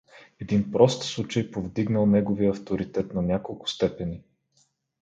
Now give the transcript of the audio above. Един прост случай повдигнал неговия авторитет на няколко степени.